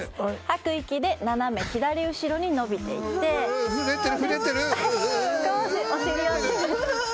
吐く息で斜め左後ろに伸びていって少しお尻を。